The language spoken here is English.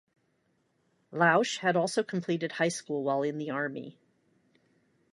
Lausche had also completed high school while in the Army.